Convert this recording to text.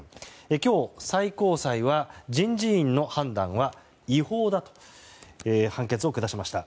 今日、最高裁は人事院の判断は違法だと判決を下しました。